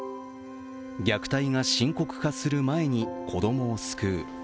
虐待が深刻化する前に子供を救う。